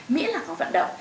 mĩa là có vận động